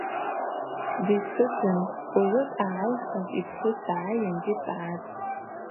Дичвыдзын, ужвы дъагӏайхыз йпхӏвыс дгӏайын дицӏгӏатӏ.